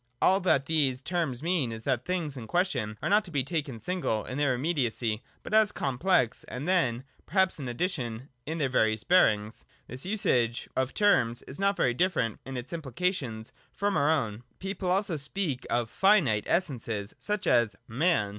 All that these terms mean is that the things in question are not to be taken single, in their immediacy, but as a complex, and then, perhaps, in addition, in their various bearings. This usage of the term is not very different in its implication from our own. People also speak oi Jinite Essences, such as man.